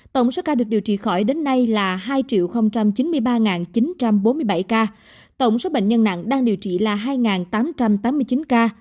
tổng số ca được điều trị khỏi đến nay là hai chín mươi ba chín trăm bốn mươi bảy ca tổng số bệnh nhân nặng đang điều trị là hai tám trăm tám mươi chín ca